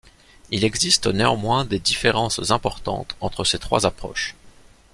Il existe néanmoins des différences importantes entre ces trois approches.